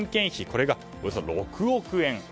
これがおよそ６億円。